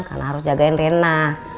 karena harus jagain rena